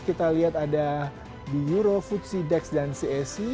kita lihat ada di euro futsi dex dan cec